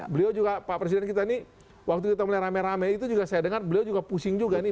beliau juga pak presiden kita ini waktu kita mulai rame rame itu juga saya dengar beliau juga pusing juga nih